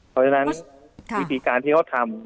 เพราะฉะนั้นวิธีการที่เขาทำ